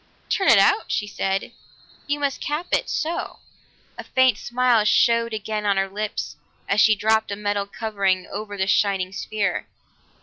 "Turn it out?" she said. "You must cap it so!" A faint smile showed again on her lips as she dropped a metal covering over the shining sphere.